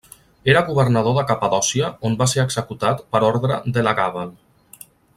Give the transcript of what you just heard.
Era governador de Capadòcia on va ser executat per orde d'Elagàbal.